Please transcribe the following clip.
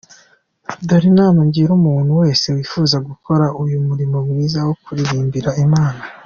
Dore inama ngira umuntu wese wifuza gukora uyu murimo mwiza wo kuririmbira Imana.